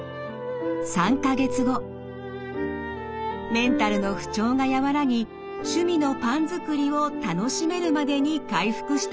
メンタルの不調が和らぎ趣味のパン作りを楽しめるまでに回復したそうです。